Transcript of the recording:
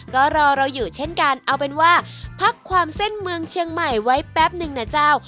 ก็รอเราอยู่เช่นกันเอาเป็นว่าพักความเส้นเมืองเชียงใหม่ไว้แป๊บนึงนะเจ้า